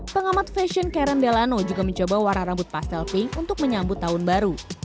pengamat fashion karen delano juga mencoba warna rambut pastel pink untuk menyambut tahun baru